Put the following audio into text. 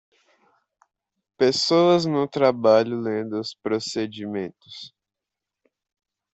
Pessoas no trabalho lendo os procedimentos.